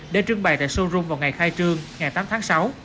để trưng bày tại showroom vào ngày khai trương ngày tám tháng sáu